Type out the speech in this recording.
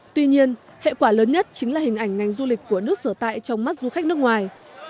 tuy nhiên hệ quả lớn nhất chính là hình ảnh ngành du lịch của nước sở tại trong mắt du khách nước ngoài